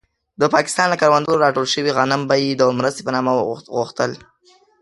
د پاکستان له کروندو راټول شوي غنم به يې د مرستې په نامه غوښتل.